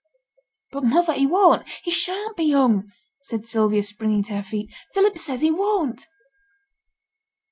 'But, mother, he won't! he shan't be hung!' said Sylvia, springing to her feet. 'Philip says he won't.'